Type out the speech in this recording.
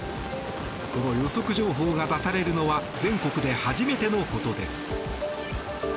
その予測情報が出されるのは全国で初めてのことです。